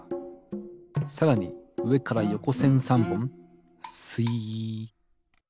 さらにうえからよこせん３ぼんすいっ。